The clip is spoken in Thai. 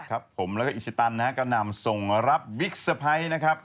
ครับผมแล้วก็อิชตันนะครับก็นำส่งรับวิกสภัยนะครับ